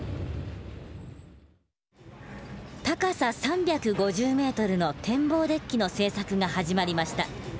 高さ３５０ｍの「天望デッキ」の製作が始まりました。